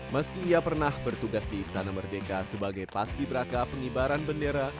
meski ia pernah bertugas di istana merdeka sebagai paski beraka pengibaran bendera